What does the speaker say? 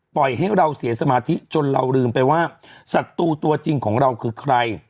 ปล่อยให้เราเสียสมาธิจนเราลืมไปว่าศัตรูตัวจริงของเราคือใคร